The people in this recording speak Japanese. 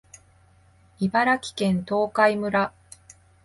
茨城県東海村